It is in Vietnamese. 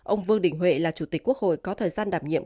ông vương đình huệ là chủ tịch quốc hội có thời gian đảm nhiệm